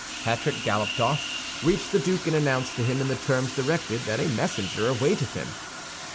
Patrick galloped off, reached the duke, and announced to him in the terms directed that a messenger awaited him.